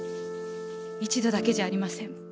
一度だけじゃありません。